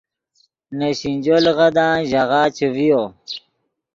نے سینجو لیغدان ژاغہ چے ڤیو